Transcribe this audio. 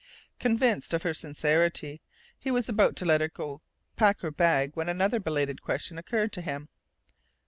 Convinced of her sincerity, he was about to let her go to pack her bag when another belated question occurred to him.